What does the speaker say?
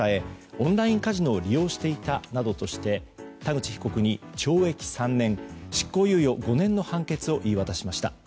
オンラインカジノを利用していたなどとして田口被告に懲役３年執行猶予５年の判決を言い渡しました。